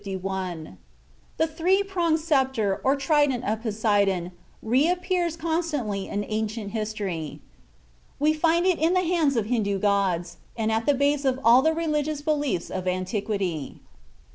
The three pronged sceptre or trident of Poseidon reappears constantly in ancient history. We find it in the hands of Hindoo gods, and at the base of all the religious beliefs of antiquity.